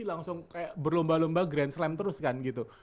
langsung kayak berlomba lomba grand slam terus kan gitu